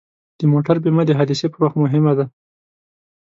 د موټر بیمه د حادثې پر وخت مهمه ده.